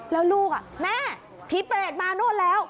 แล้วลูกแม่ผีเปรตมานู่นแล้ว